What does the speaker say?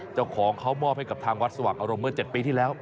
เจ้าของเขามอบให้กับทางวัดสว่างอารมณ์เมื่อ๗ปีที่แล้ว